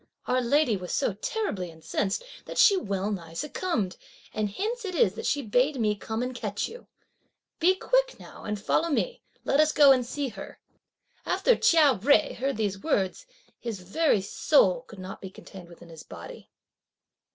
Our lady was so terribly incensed, that she well nigh succumbed; and hence it is that she bade me come and catch you! Be quick now and follow me, and let us go and see her." After Chia Jui had heard these words, his very soul could not be contained within his body.